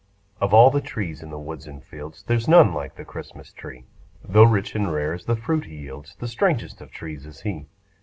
Of all the trees in the woods and fields There's none like the Christmas tree; Tho' rich and rare is the fruit he yields, The strangest of trees is he.